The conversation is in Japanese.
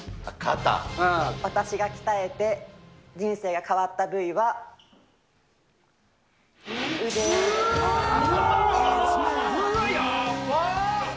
私が鍛えて、人生が変わったうわ、やばっ。